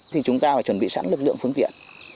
thì chúng ta phải chuẩn bị sẵn lực lượng phương tiện